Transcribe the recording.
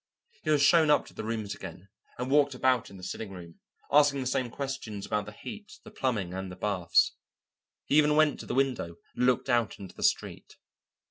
He was shown up to the rooms again, and walked about in the sitting room, asking the same questions about the heat, the plumbing, and the baths. He even went to the window and looked out into the street.